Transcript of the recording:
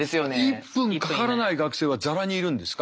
１分かからない学生はザラにいるんですか？